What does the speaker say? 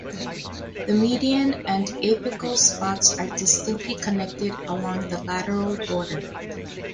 The median and apical spots are distinctly connected along the lateral border.